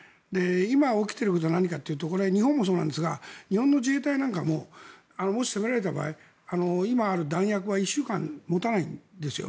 今、起きていることは何かというと日本もそうなんですが日本の自衛隊なんかももし攻められた場合今ある弾薬は１週間持たないんですよ。